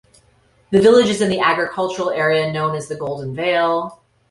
The village is in the agricultural area known as the Golden Vale.